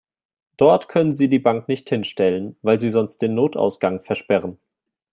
Dort können Sie die Bank nicht hinstellen, weil Sie sonst den Notausgang versperren.